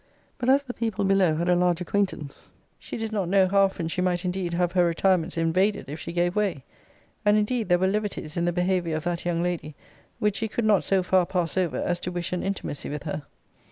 But as the people below had a large acquaintance, she did not know how often she might indeed have her retirements invaded, if she gave way. And indeed there were levities in the behaviour of that young lady, which she could not so far pass over as to wish an intimacy with her.